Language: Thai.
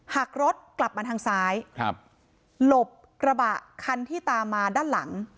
หักรถกลับมาทางซ้ายครับหลบกระบะคันที่ตามมาด้านหลัง